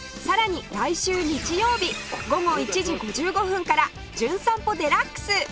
さらに来週日曜日午後１時５５分から『じゅん散歩デラックス』